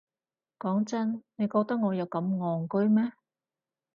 講真，你覺得我有咁戇居咩？